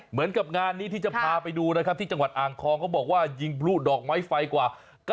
เหมือนกับงานนี้ที่จะพาไปดูนะครับที่จังหวัดอ่างทองเขาบอกว่ายิงพลุดอกไม้ไฟกว่า